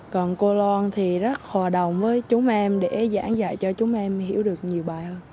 còn cô loan thì rất hòa đồng với chúng em để giảng dạy cho chúng em hiểu được nhiều bài hơn